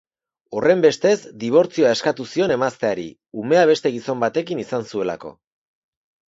Horrenbestez, dibortzioa eskatu zion emazteari, umea beste gizon batekin izan zuelako.